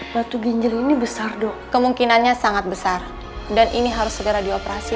batu ginjal ini besar dok kemungkinannya sangat besar dan ini harus segera dioperasi